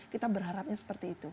kita berharapnya seperti itu